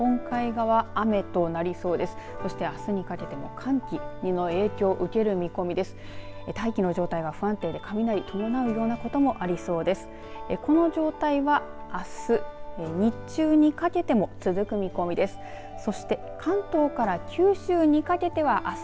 大気の状態は不安定で雷を伴うようなこともありそうです。